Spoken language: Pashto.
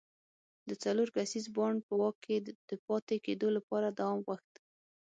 د څلور کسیز بانډ په واک کې د پاتې کېدو لپاره دوام غوښت.